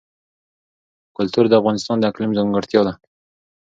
کلتور د افغانستان د اقلیم ځانګړتیا ده.